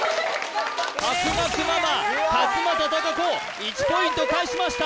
博学ママ勝間田貴子１ポイント返しました